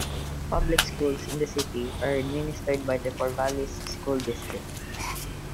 Public schools in the city are administered by the Corvallis School District.